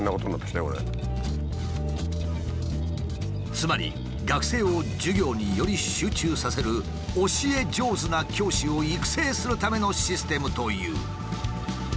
つまり学生を授業により集中させる教え上手な教師を育成するためのシステムという。